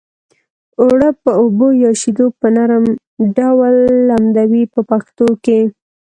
اوړه په اوبو یا شیدو په نرم ډول لمدوي په پښتو کې.